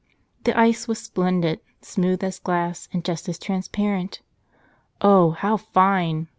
The ice was splendid — smooth as glass and just as transparent. "Oh, how fine!"